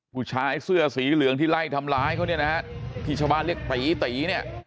ผู้ชายเสื้อสีเหลืองที่ไล่ทำร้ายเขาพิชาวาเลียกปริติ